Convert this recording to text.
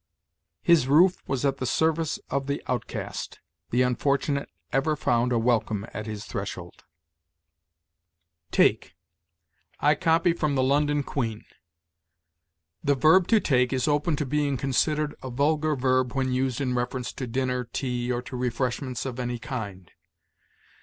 "His roof was at the service of the outcast; the unfortunate ever found a welcome at his threshold." TAKE. I copy from the "London Queen": "The verb to take is open to being considered a vulgar verb when used in reference to dinner, tea, or to refreshments of any kind.